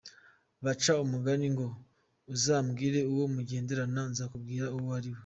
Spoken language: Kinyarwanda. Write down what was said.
Baca umugani ngo uzambwire uwo mugenderana nzakubwira uwo uriwe.